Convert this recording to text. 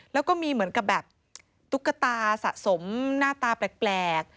แล้วก็มีเหมือนกับแบบตุ๊กตาสะสมหน้าตาแปลก